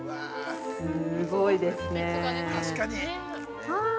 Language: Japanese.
すーごいですねー。